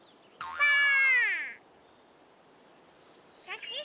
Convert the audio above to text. ばあっ！